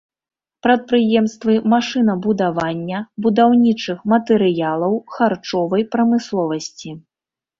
Прадпрыемствы машынабудавання, будаўнічых матэрыялаў, харчовай прамысловасці.